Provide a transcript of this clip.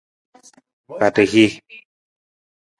Kpada hii.